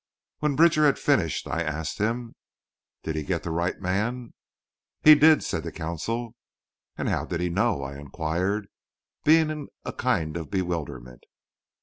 When Bridger had finished I asked him: "Did he get the right man?" "He did," said the Consul. "And how did he know?" I inquired, being in a kind of bewilderment.